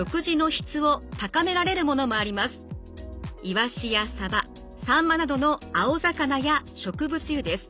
イワシやサバサンマなどの青魚や植物油です。